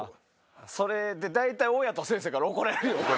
それで大体親と先生から怒られるよな。